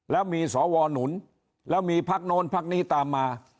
แล้วมีสวนหนุนแล้วมีภักดิ์โน้นภักดิ์นี้ตามมา